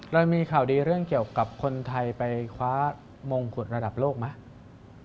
เรามีข่าวดีเรื่องเกี่ยวกับคนไทยไปคว้ามงกุฎระดับโลกไหม